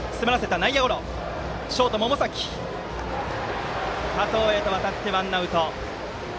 ショートの百崎がとって加藤へとわたってワンアウト。